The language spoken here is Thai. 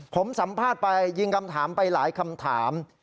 ผมสัมภาษณ์ไปยิงคำถามไปหลายคำถาม